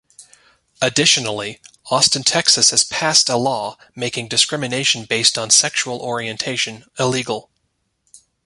Additionally, Austin, Texas has passed a law making discrimination based on sexual orientation illegal.